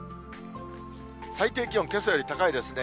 最低気温、けさより高いですね。